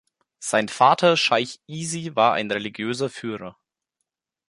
Sein Vater Scheich Isi war ein religiöser Führer.